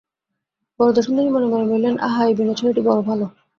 বরদাসুন্দরী মনে মনে বলিলেন, আহা, এই বিনয় ছেলেটি বড়ো ভালো।